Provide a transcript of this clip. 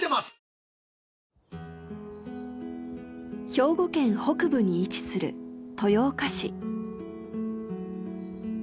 兵庫県北部に位置する豊岡市。